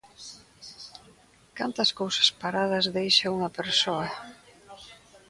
Cantas cousas paradas deixa unha persoa...